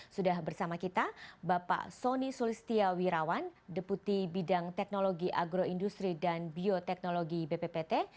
sudah bersama kita bapak soni sulistia wirawan deputi bidang teknologi agroindustri dan bioteknologi bppt